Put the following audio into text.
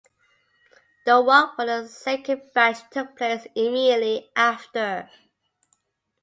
The Walk for the second batch took place immediately after.